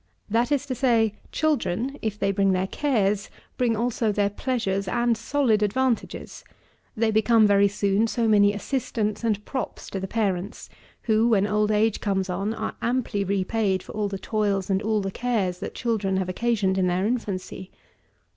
That is to say, children, if they bring their cares, bring also their pleasures and solid advantages. They become, very soon, so many assistants and props to the parents, who, when old age comes on, are amply repaid for all the toils and all the cares that children have occasioned in their infancy.